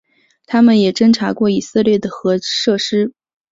它们也侦察过以色列的核设施。